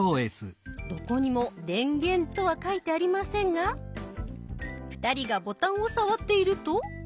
どこにも「電源」とは書いてありませんが２人がボタンを触っていると。